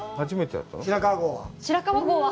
白川郷は。